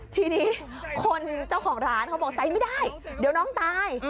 ทีนี้คนเจ้าของร้านเขาบอกใส่ไม่ได้เดี๋ยวน้องตาย